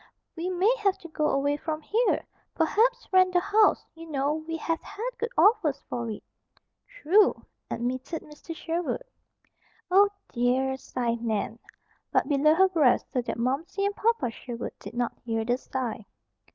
We may have to go away from here. Perhaps rent the house. You know, we have had good offers for it." "True," admitted Mr. Sherwood. "Oh, dear!" sighed Nan, but below her breath so that Momsey and Papa Sherwood did not hear the sigh.